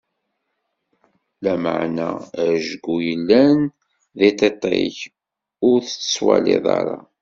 Lameɛna ajgu yellan di tiṭ-ik, ur t-tettwaliḍ ara!